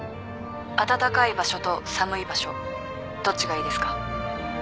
暖かい場所と寒い場所どっちがいいですか？